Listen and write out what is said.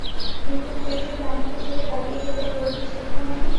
কিন্তু, তুই যদি আমাকে ছেড়ে পালিয়ে গেলে, তোর কী ছিড়তাম আমি?